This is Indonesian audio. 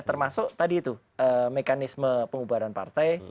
termasuk tadi itu mekanisme pengubaran partai